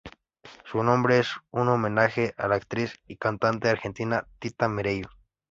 Su nombre es un homenaje a la actriz y cantante argentina Tita Merello.